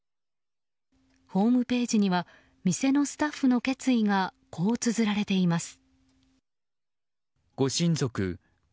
ホームページには店のスタッフの決意がこうつづられています。